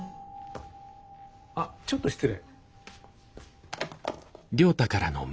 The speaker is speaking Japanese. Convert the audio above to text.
あっちょっと失礼。